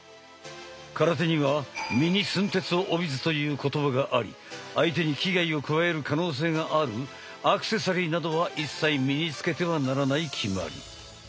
空手には「身に寸鉄を帯びず」という言葉があり相手に危害を加える可能性があるアクセサリーなどは一切身につけてはならない決まり。